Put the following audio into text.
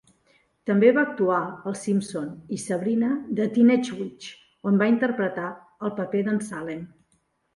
També va actuar a Els Simpson i Sabrina the Teenage Witch, on va interpretar el paper d'en Salem.